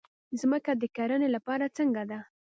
ځمکه د کرنې لپاره څنګه ده؟